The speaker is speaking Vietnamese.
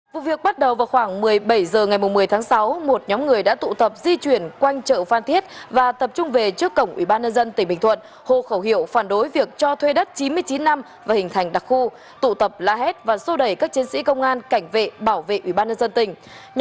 vụ việc bắt đầu vào khoảng một mươi bảy h ngày một mươi tháng sáu một nhóm người đã tụ tập di chuyển quanh chợ phan thiết và tập trung về trước cổng ubnd tỉnh bình thuận hồ khẩu hiệu phản đối việc cho thuê đất chín mươi chín năm và hình thành đặc khu tụ tập la hét và sô đẩy các chiến sĩ công an cảnh vệ bảo vệ ubnd tỉnh